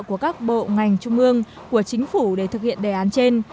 của các bộ ngành trung ương của chính phủ để thực hiện đề án trên